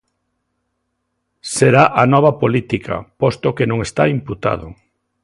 Será a nova política posto que non está imputado.